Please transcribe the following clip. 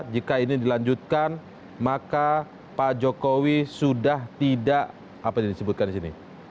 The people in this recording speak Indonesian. jika ini dilanjutkan maka pak jokowi sudah tidak apa yang disebutkan di sini